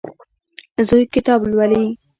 زوی کتاب لولي.